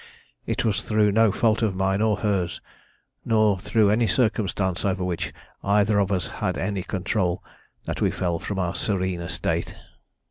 "It was through no fault of mine or hers, nor through any circumstance over which either of us had any control, that we fell from our serene estate.